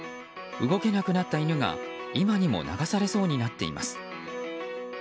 動けなくなった犬が今にも流されそうになっています。